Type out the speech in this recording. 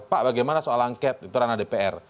pak bagaimana soal angket itu ranah dpr